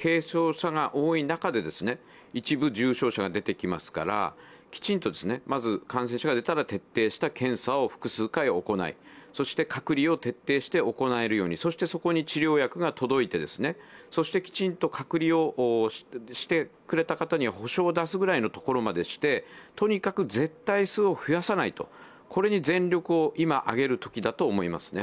軽症者が多い中で一部重症者が出てきますから、きちんと、まず感染者が出たら徹底した検査を複数回行い、そして隔離を徹底して行えるように、そしてそこに治療薬が届いて、きちんと隔離をしてくれた方には補償を出すくらいのことをしてとにかく絶対数を増やさない、これに全力を挙げるときだと思います。